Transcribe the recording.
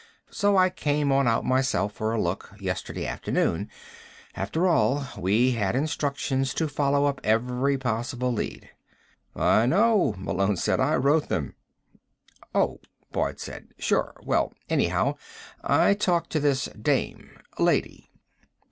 So I came on out myself for a look, yesterday afternoon ... after all, we had instructions to follow up every possible lead." "I know," Malone said. "I wrote them." "Oh," Boyd said. "Sure. Well, anyhow, I talked to this dame. Lady."